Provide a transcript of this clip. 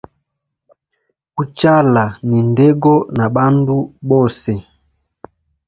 Uchala ni ndego na bandu bose.